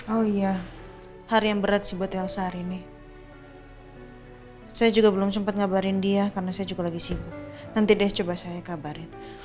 oh iya hari yang berat sih buat elsa hari ini saya juga belum sempat ngabarin dia karena saya juga lagi sibuk nanti deh coba saya kabarin